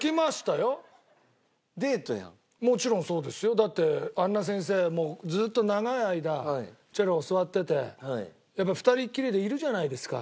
だって杏奈先生もうずっと長い間チェロ教わっててやっぱり２人きりでいるじゃないですか。